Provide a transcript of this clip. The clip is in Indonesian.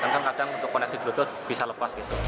karena kadang kadang untuk koneksi bluetooth bisa lepas